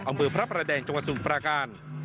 อัมเบอร์พระปรดแดงจังหวัดศึกปราการ